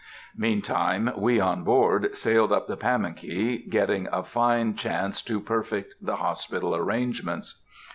Meantime, we, on board, sailed up the Pamunkey, getting a fine chance to perfect the hospital arrangements.